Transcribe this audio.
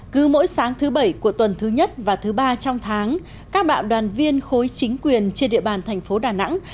cứ mỗi sáng thứ bảy của tuần thứ nhất và thứ ba trong tháng các bạo đoàn viên khối chính quyền trên địa bàn thành phố đà nẵng